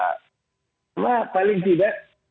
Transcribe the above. karena paling tidak